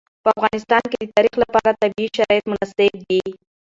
په افغانستان کې د تاریخ لپاره طبیعي شرایط مناسب دي.